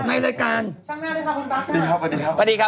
พี่เพิ่มท่านค่ะสวัสดีครับ